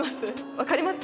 分かります？